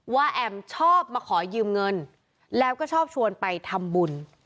แอมชอบมาขอยืมเงินแล้วก็ชอบชวนไปทำบุญ